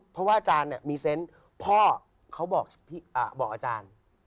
เพราะว่าอาจารย์มีเซนต์พ่อเขาบอกอาจารย์